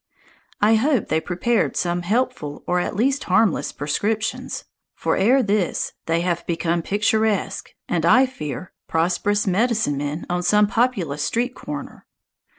I hope they prepared some helpful, or at least harmless prescriptions, for, ere this, they have become picturesque, and I fear prosperous, medicine men on some populous street corner.